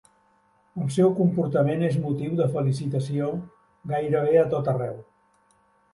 El seu comportament és motiu de felicitació gairebé a tot arreu.